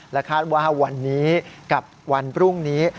คาดว่าวันนี้กับวันพรุ่งนี้